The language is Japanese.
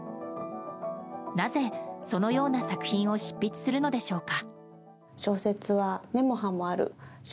なぜ、そのような作品を執筆するのでしょうか。